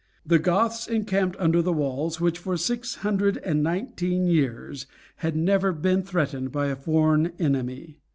The Goths encamped under the walls which for six hundred and nineteen years had never been threatened by a foreign enemy.